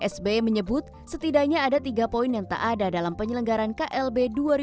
sbi menyebut setidaknya ada tiga poin yang tak ada dalam penyelenggaran klb dua ribu dua puluh